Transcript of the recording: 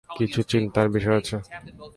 কিছু চিন্তার বিষয়ও আছে।